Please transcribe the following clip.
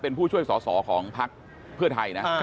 เป็นผู้ช่วยสอสอของพักเพื่อไทยนะ